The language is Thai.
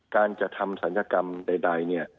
การจะทำศันยกรรมใด